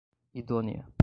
idônea